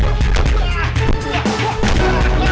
anak untuk bertemu dengan lu